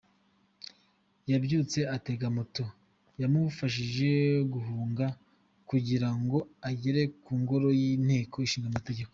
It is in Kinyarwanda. Yabyutse atega moto yamufashije guhunga kugira ngo agere ku ngoro y’Inteko Ishinga Amategeko.